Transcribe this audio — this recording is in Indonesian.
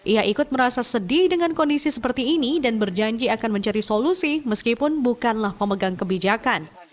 ia ikut merasa sedih dengan kondisi seperti ini dan berjanji akan mencari solusi meskipun bukanlah pemegang kebijakan